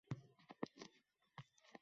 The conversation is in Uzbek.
Shayxurrais, shayxurrais!